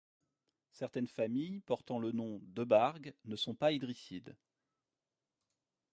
Certaines familles portant le nom Debbargh ne sont pas Idrissides.